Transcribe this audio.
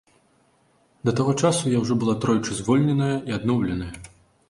Да таго часу я ўжо была тройчы звольненая і адноўленая.